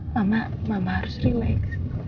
mama mama harus relaks